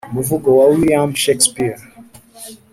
umuvugo wa william shakespeare